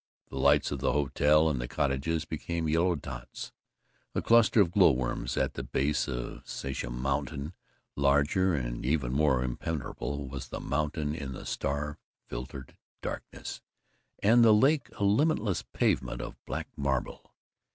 The lights of the hotel and the cottages became yellow dots, a cluster of glow worms at the base of Sachem Mountain. Larger and ever more imperturbable was the mountain in the star filtered darkness, and the lake a limitless pavement of black marble.